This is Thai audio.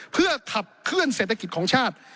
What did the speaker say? เพื่อขับเคลื่อนเศรษฐกิจของชาติ